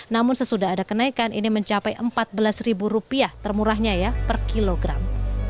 namun sesudah ada kenaikan ini mencapai rp empat belas termurahnya ya per kilogram